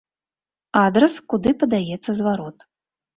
Адрас, куды падаецца зварот.